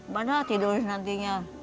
mana tidur nantinya